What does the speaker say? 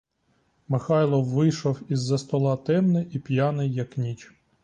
Михайло вийшов із-за стола темний і п'яний, як ніч.